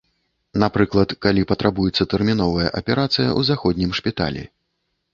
Напрыклад, калі патрабуецца тэрміновая аперацыя ў заходнім шпіталі.